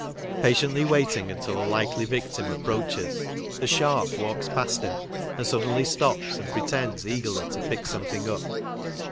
Patiently waiting until a likely victim approaches, the " sharp " walks past Mm and suddenly stoops, and pretends eagerly to pick something up.